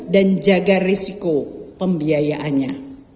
jaga risiko pembiayaannya